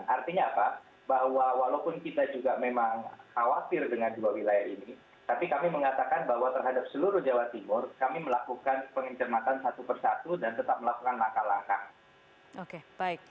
artinya apa bahwa walaupun kita juga memang khawatir dengan dua wilayah ini tapi kami mengatakan bahwa terhadap seluruh jawa timur kami melakukan test swab